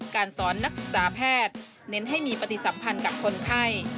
การสอนนักศึกษาแพทย์เน้นให้มีปฏิสัมพันธ์กับคนไข้